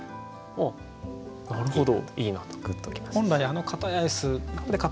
あなるほど。